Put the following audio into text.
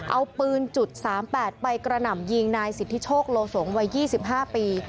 เอาปืนจุด๓๘ไปกระหน่ำยิงนายสิทธิโชคโลสงวัย๒๕ปี